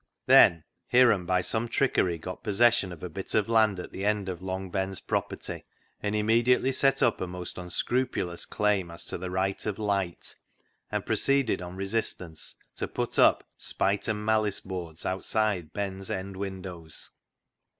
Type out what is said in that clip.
Then Hiram by some trickery got posses sion of a bit of land at the end of Long Ben's property, and immediately set up a most unscrupulous claim as to the right of light, and proceeded on resistance to put up " spite and malice boards " outside Ben's end win dows.